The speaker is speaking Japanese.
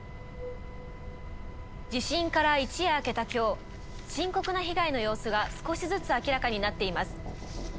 地震から一夜明けた今日深刻な被害の様子が少しずつ明らかになっています。